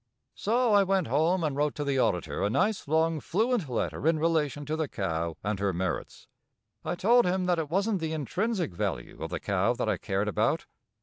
So I went home and wrote to the auditor a nice, long, fluent letter in relation to the cow and her merits. I told him that it wasn't the intrinsic value of the cow that I cared about.